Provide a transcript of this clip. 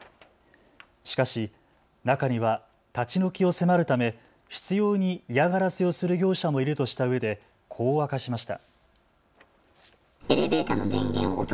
しかし中には立ち退きを迫るため執ように嫌がらせをする業者もいるとしたうえでこう明かしました。